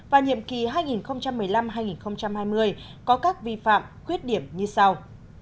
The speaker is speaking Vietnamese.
và nhiệm kỳ hai nghìn một mươi năm hai nghìn hai mươi có các vi phạm khuyết điểm như sau